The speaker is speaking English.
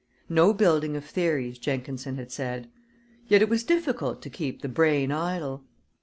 No building of theories, Jenkinson had said; yet it was difficult to keep the brain idle.